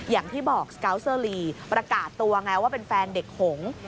อย่างที่บอกสกาวเซอร์ลีประกาศตัวไงว่าเป็นแฟนเด็กหง